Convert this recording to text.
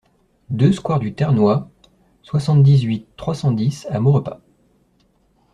deux square du Ternois, soixante-dix-huit, trois cent dix à Maurepas